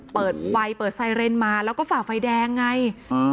เปิดไฟเปิดไซเรนมาแล้วก็ฝ่าไฟแดงไงอ่า